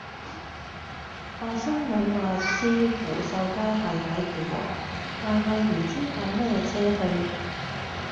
外甥女話知湖秀街係喺屯門但係唔知搭咩野車去